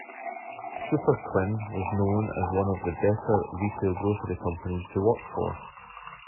Superquinn was known as one of the better retail grocery companies to work for.